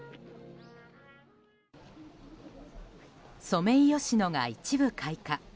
ソメイヨシノが一部開花。